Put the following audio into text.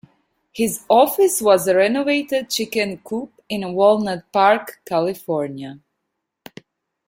His office was a renovated chicken coop in Walnut Park, California.